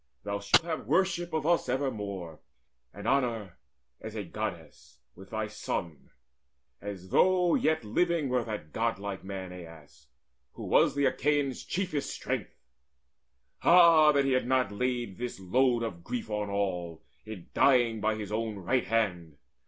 Thou shalt have worship of us evermore And honour as a Goddess, with thy son, As though yet living were that godlike man, Aias, who was the Achaeans' chiefest strength. Ah that he had not laid this load of grief On all, in dying by his own right hand!